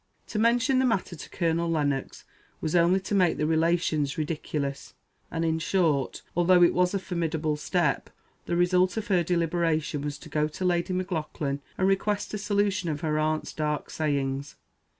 To mention the matter to Colonel Lennox was only to make the relations ridiculous; and, in short, although it was a formidable step, the result of her deliberation was to go to Lady Maclaughlan, and request a solution of her aunt's dark sayings.